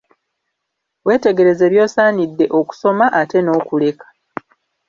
Weetegereze by'osaanidde okusoma ate n'okuleka.